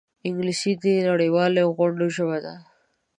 انګلیسي د نړيوالو غونډو ژبه ده